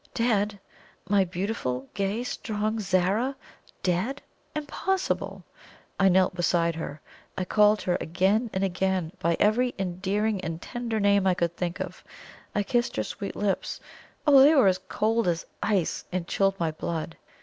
Dead? My beautiful, gay, strong Zara DEAD? Impossible! I knelt beside her; I called her again and again by every endearing and tender name I could think of; I kissed her sweet lips. Oh, they were cold as ice, and chilled my blood!